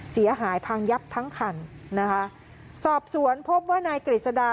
เสียหายพังยับทั้งคันนะคะสอบสวนพบว่านายกฤษดา